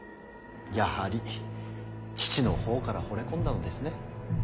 やはり父の方からほれ込んだのですね。